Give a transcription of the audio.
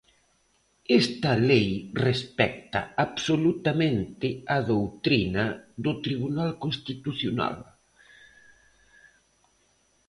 Esta lei respecta absolutamente a doutrina do Tribunal Constitucional.